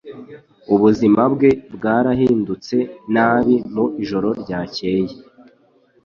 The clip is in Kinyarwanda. Ubuzima bwe bwarahindutse nabi mu ijoro ryakeye.